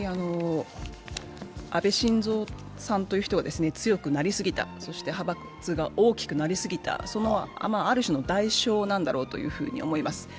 安倍晋三さんという人は強くなりすぎた、そして派閥が大きくなりすぎた、そのある種の代償なんだろうと思います。